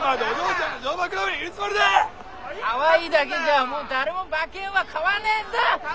かわいいだけじゃもう誰も馬券は買わねえぞ！